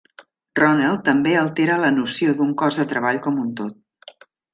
Ronell també altera la noció d'un cos de treball com un tot.